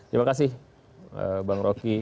terima kasih bang rocky